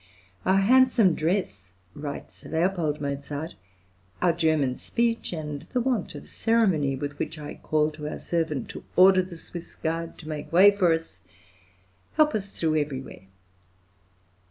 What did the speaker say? "Our handsome dress," writes L. Mozart, "our German speech, and the want of ceremony with which I call to our servant to order the Swiss guard to make way for us, help us through everywhere."